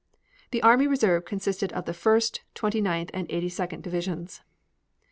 The army reserve consisted of the First, Twenty ninth, and Eighty second divisions.